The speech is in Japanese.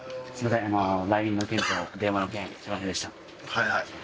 はいはい。